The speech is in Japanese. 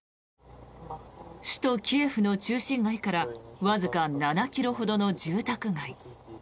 首都キエフの中心街からわずか７ｋｍほどの住宅街。